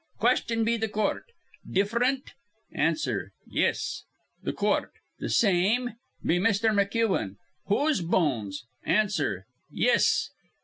Question be th' coort: 'Different?' Answer: 'Yis.' Th' coort: 'Th' same.' Be Misther McEwen: 'Whose bones?' Answer: 'Yis.'